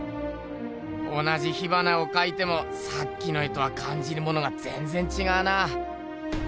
同じ火花をかいてもさっきの絵とはかんじるものがぜんぜんちがうな。